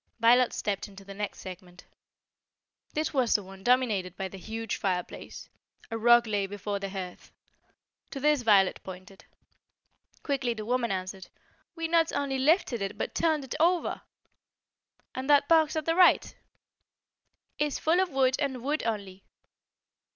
Violet stepped into the next segment. This was the one dominated by the huge fire place. A rug lay before the hearth. To this Violet pointed. Quickly the woman answered: "We not only lifted it, but turned it over." "And that box at the right?" "Is full of wood and wood only."